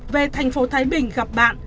về thành phố thái bình gặp bạn